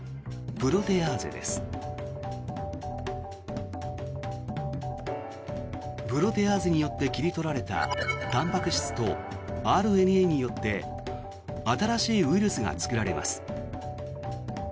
プロテアーゼによって切り取られたたんぱく質とＲＮＡによって新しいウイルスが作られます。